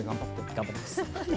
頑張ります。